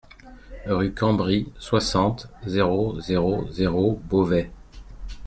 Rue Cambry, soixante, zéro zéro zéro Beauvais